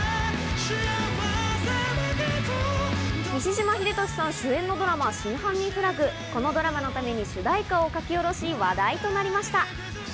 西島秀俊さん主演のドラマ『真犯人フラグ』、このドラマのために主題歌を書き下ろし、話題となりました。